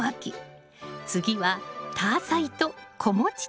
次はタアサイと子持ちタカナ。